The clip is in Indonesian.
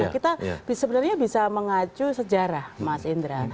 kita sebenarnya bisa mengacu sejarah mas indra